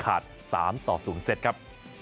เด็ดขาด๓ต่อ๐เซตครับ